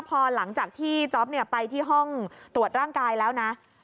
พอหลังจากที่จ๊อปไปที่ห้องตรวจร่างกายแล้วนะ